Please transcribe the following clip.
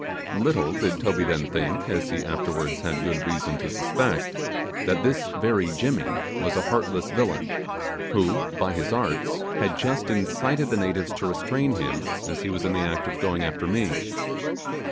Little did Toby then think, as he afterwards had good reason to suspect, that this very Jimmy was a heartless villain, who, by his arts, had just incited the natives to restrain him as he was in the act of going after me.